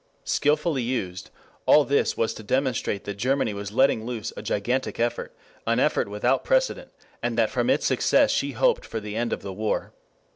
Skilfully used, all this was to demonstrate that Germany was letting loose a gigantic effort, an effort without precedent, and that from its success she hoped for the end of the war.